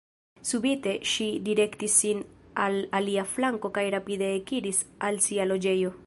Subite ŝi direktis sin al alia flanko kaj rapide ekiris al sia loĝejo.